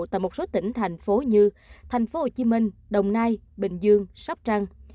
tại một số tỉnh thành phố như tp hcm đồng nai bình dương sắp trăng